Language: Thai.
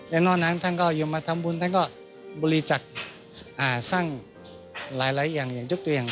และนอกนั้นท่านก็ยมมาทำบุญท่านก็บริจักษ์สร้างหลายอย่างอย่างยกตัวอย่าง